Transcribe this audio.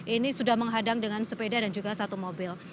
ini sudah menghadang dengan sepeda dan juga satu mobil